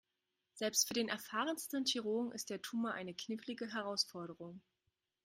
Selbst für den erfahrensten Chirurgen ist der Tumor eine knifflige Herausforderung.